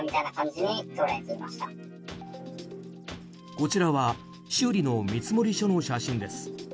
こちらは修理の見積書の写真です。